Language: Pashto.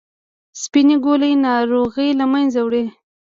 سپینې ګولۍ ناروغي له منځه وړي.